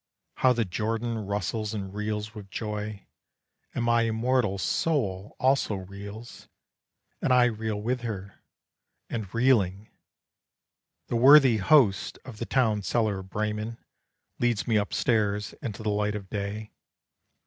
How the Jordan rustles and reels with joy! And my immortal soul also reels, And I reel with her, and, reeling, The worthy host of the town cellar of Bremen Leads me up stairs into the light of day.